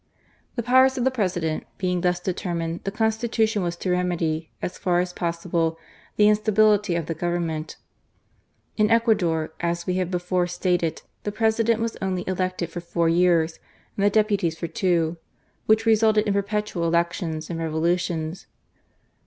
The powers of the President being thus d^er mined, the Constitiition was to remedy, as £ar as pebble, the instability of the Govi^nment* In Ecuador, as we have before stated, the President was only elected for four y^urs, and the deputies for two ; which resulted in perpetual elections and Revolutions.